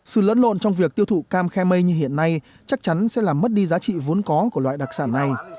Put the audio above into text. sự lẫn lộn trong việc tiêu thụ cam khe mây như hiện nay chắc chắn sẽ làm mất đi giá trị vốn có của loại đặc sản này